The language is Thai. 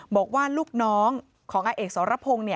บอกว่าลูกน้องของอาเอกสรพงศ์